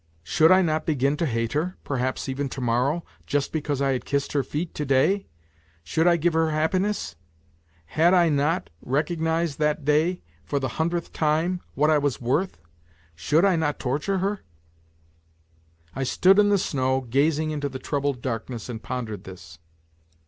Should I not begin to hate her, perhaps, even to morrow, just because I had kissed her feet to day ? Should I give her happi ness ? Had I not recognized that day, for the hundredth time, what I was worth ? Should I not torture her ? I stood in the snow, gazing into the troubled darkness and pondered this.